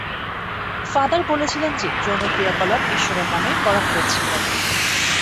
Father বলেছিলেন যে যৌন ক্রিয়াকলাপ ঈশ্বরের নামে করা হয়েছিল।